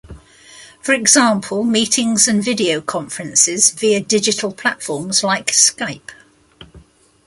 For example meetings and video conferences via digital platforms like Skype.